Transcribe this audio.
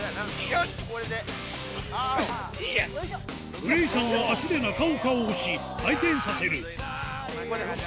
グレイさんは足で中岡を押し、回転させる。